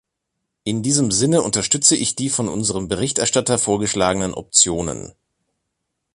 In diesem Sinne unterstütze ich die von unserem Berichterstatter vorgeschlagenen Optionen.